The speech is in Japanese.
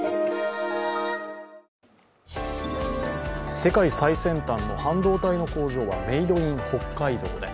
世界最先端の半導体の工場はメイドイン北海道へ。